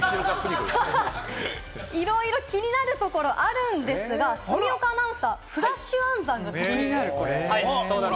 いろいろ気になるところがあるんですが、住岡アナウンサー、フラッシュ暗算が気になる。